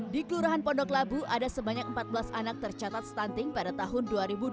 di kelurahan pondok labu ada sebanyak empat belas anak tercatat stunting pada tahun dua ribu dua puluh